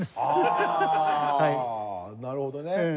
ああなるほどね。